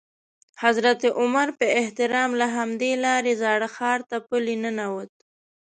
حضرت عمر په احترام له همدې لارې زاړه ښار ته پلی ننوت.